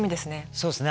そうですね